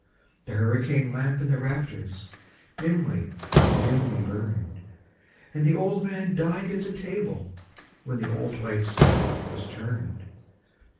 The hurricane lamp in the rafters dimly and dimly burned; And the old man died at the table when the old wife's back was turned.